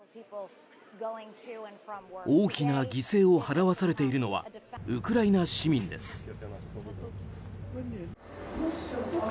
大きな犠牲を払わされているのはウクライナ市民です。